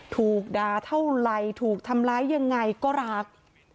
ถูกดาเท่าไรถูกทำร้ายอย่างไรก็รัก